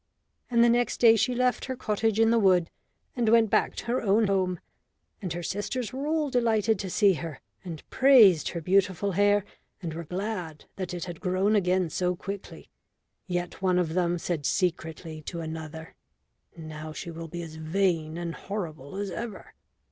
And the next day she left her cottage in the wood and went back to her own home; and her sisters were all delighted to see her, and praised her beautiful hair, and were glad that it had grown again so quickly. Yet one of them said secretly to another: "Now she will be as vain and horrible as ever."